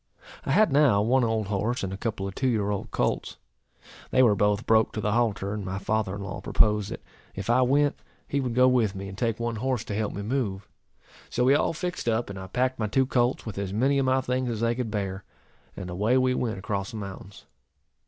I had now one old horse, and a couple of two year old colts. They were both broke to the halter, and my father in law proposed, that, if I went, he would go with me, and take one horse to help me move. So we all fixed up, and I packed my two colts with as many of my things as they could bear; and away we went across the mountains.